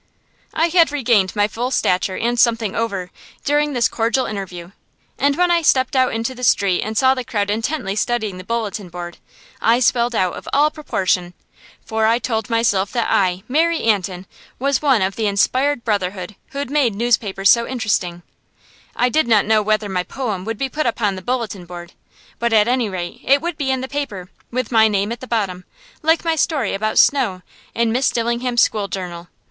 I had regained my full stature and something over, during this cordial interview, and when I stepped out into the street and saw the crowd intently studying the bulletin board I swelled out of all proportion. For I told myself that I, Mary Antin, was one of the inspired brotherhood who made newspapers so interesting. I did not know whether my poem would be put upon the bulletin board; but at any rate, it would be in the paper, with my name at the bottom, like my story about "Snow" in Miss Dillingham's school journal.